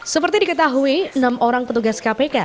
seperti diketahui enam orang petugas kpk